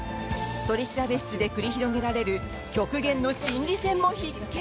取調室で繰り広げられる極限の心理戦も必見。